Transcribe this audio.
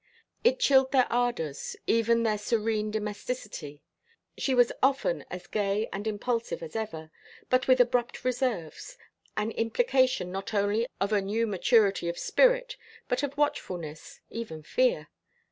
It chilled their ardors, even their serene domesticity. She was often as gay and impulsive as ever, but with abrupt reserves, an implication not only of a new maturity of spirit, but of watchfulness, even fear.